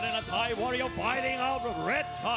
ตอนนี้มวยกู้ที่๓ของรายการ